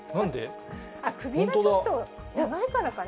首がちょっと、長いからかな？